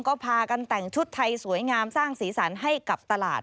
ก็พากันแต่งชุดไทยสวยงามสร้างสีสันให้กับตลาด